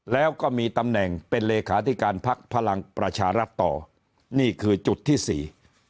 แล้วก็มีตำแหน่งเป็นเลขาธิการพักพลังประชารัฐต่อนี่คือจุดที่สี่